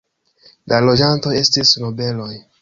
La loĝantoj estis nobeloj.